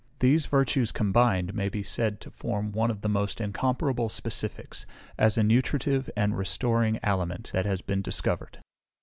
These virtues combined may be said to form one of the most incomparable specifics, as a nutritive and restoring aliment, that has been discovered.